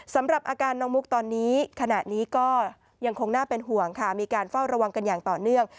สำหรับอาการน้องมุกตอนนี้ขณะนี้ก็ยังคงน่าเป็นห่วงค่ะมีการเฝ้าระวังกันอย่างต่อเนื่อง